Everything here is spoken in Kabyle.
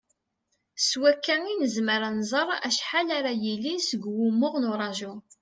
S wakka i nezmer ad nẓer acḥal ara d-yalin seg wumuɣ n uraju.